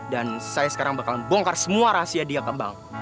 dan saya sekarang bakalan bongkar semua rahasia dia ke bang